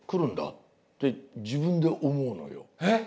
えっ？